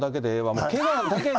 もうけがだけ。